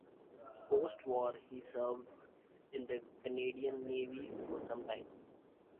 Post war he served in the Canadian navy for some time.